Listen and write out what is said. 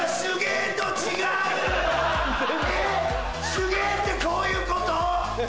手芸ってこういうこと？